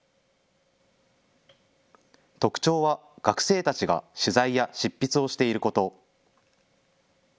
特徴は、学生たちが取材や執筆をしていること。